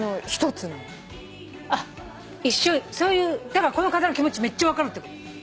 だからこの方の気持ちめっちゃ分かるってこと？